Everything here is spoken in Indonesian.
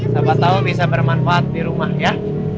siapa tahu bisa bermanfaat di rumah ya